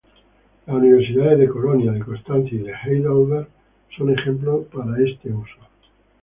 Las Universidades de Colonia, de Constancia y de Heidelberg son ejemplos para este usado.